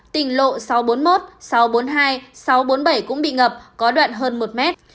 tỉnh lộ sáu trăm bốn mươi một sáu trăm bốn mươi hai sáu trăm bốn mươi bảy cũng bị ngập có đoạn hơn một mét